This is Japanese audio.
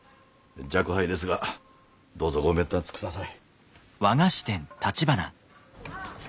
若輩ですがどうぞごべんたつください。